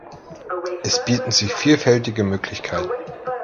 Es bieten sich vielfältige Möglichkeiten.